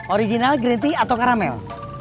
original gritty atau karamel